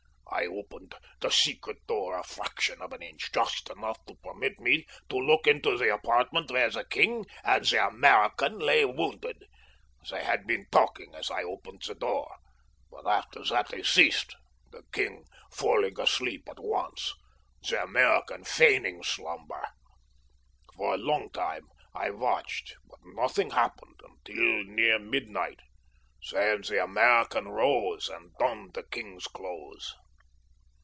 I opened the secret door a fraction of an inch—just enough to permit me to look into the apartment where the king and the American lay wounded. They had been talking as I opened the door, but after that they ceased—the king falling asleep at once—the American feigning slumber. For a long time I watched, but nothing happened until near midnight. Then the American arose and donned the king's clothes.